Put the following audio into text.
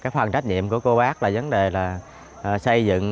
phần trách nhiệm của cô bác là vấn đề là xây dựng